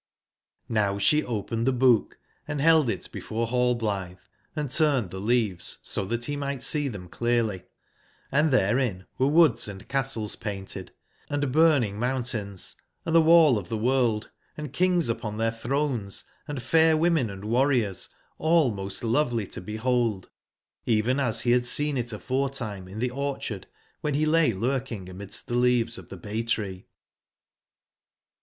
pCd sbe opened tbe book and beld it before Hallblitbe and turned tbe leaves so tbat be migbt see tbem clearly ;& tberein were woods and castles painted, & burning mountains, and tbe wall of tbe world, and kingsupontbeirtbrones, and fair women and warriors, all most lovely to bebold, even as be bad seen it aforetime in tbe orcbard wben be lay lurking amidst tbe leaves of tbe bay/ tree.